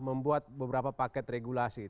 membuat beberapa paket regulasi